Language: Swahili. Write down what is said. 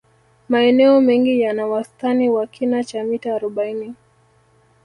maeneo mengi yana wastani wa kina cha mita arobaini